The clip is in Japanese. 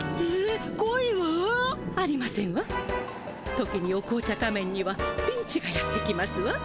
時にお紅茶仮面にはピンチがやって来ますわ。